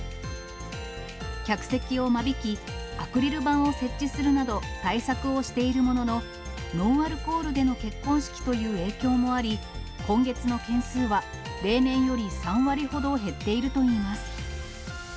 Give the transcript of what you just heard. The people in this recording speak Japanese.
客席を間引き、アクリル板を設置するなど対策をしているものの、ノンアルコールでの結婚式という影響もあり、今月の件数は例年より３割ほど減っているといいます。